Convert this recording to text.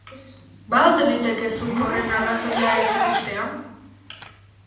Ba ote liteke zuk horren arrazoia ez ikustea?